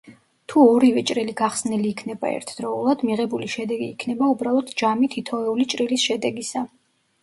თუ ორივე ჭრილი გახსნილი იქნება ერთდროულად, მიღებული შედეგი იქნება უბრალოდ ჯამი თითოეული ჭრილის შედეგისა.